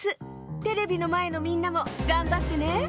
テレビのまえのみんなもがんばってね。